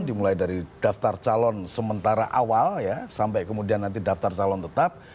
dimulai dari daftar calon sementara awal ya sampai kemudian nanti daftar calon tetap